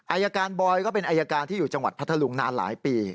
อายการบอยก็เป็นอายการที่อยู่จังหวัดพัทธลุงนานหลายปี